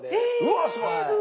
わすごい！